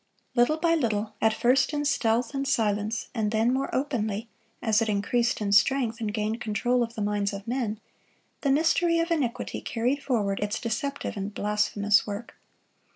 Little by little, at first in stealth and silence, and then more openly as it increased in strength and gained control of the minds of men, the mystery of iniquity carried forward its deceptive and blasphemous work.